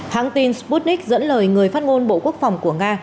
hãng tin sputnik dẫn lời người phát ngôn bộ quốc phòng của nga